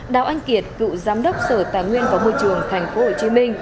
đào anh kiệt cựu giám đốc sở tài nguyên và môi trường tp hcm